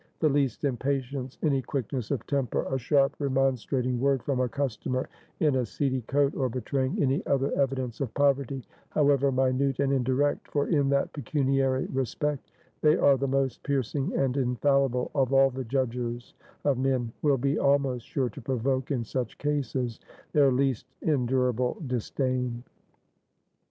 The least impatience, any quickness of temper, a sharp remonstrating word from a customer in a seedy coat, or betraying any other evidence of poverty, however minute and indirect (for in that pecuniary respect they are the most piercing and infallible of all the judgers of men), will be almost sure to provoke, in such cases, their least endurable disdain.